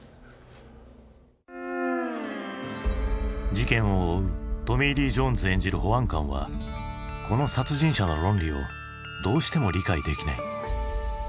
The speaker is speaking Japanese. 事件を追うトミー・リー・ジョーンズ演じる保安官はこの殺人者の論理をどうしても理解できない。